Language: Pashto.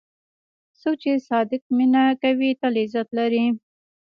څوک چې صادق مینه کوي، تل عزت لري.